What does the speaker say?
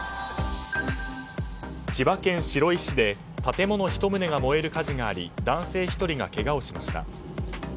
千葉県白井市で建物１棟が燃える火事があり男性１人がけがをしました。